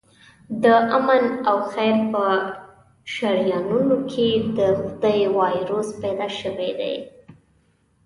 د آمن او خیر په شریانونو کې د خدۍ وایروس پیدا شوی دی.